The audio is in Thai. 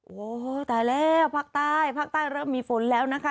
โอ้โหตายแล้วภาคใต้ภาคใต้เริ่มมีฝนแล้วนะคะ